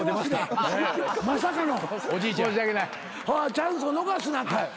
チャンスを逃すなと。